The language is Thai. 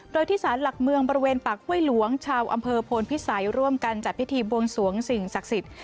โดยที่สารหลักเมืองบริเวณปากห้วยหลวงชาวอำเภอโพนพิสัยร่วมกันจัดพิธีบวงสวงสิ่งศักดิ์สิทธิ์